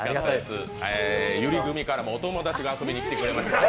ゆり組からもお友達が遊びに来てくれました。